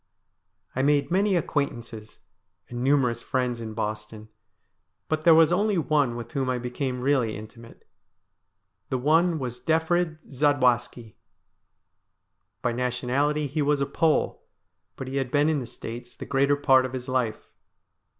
I made many acquaintances and numerous friends in Boston ; but there was only one with whom I became really intimate. The one was Defrid Zadwaski. By nationality he was a Pole, but he had been in the States the greater part of his life.